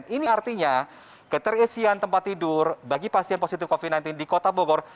ini artinya keterisian tempat tidur bagi pasien positif covid sembilan belas di kota bogor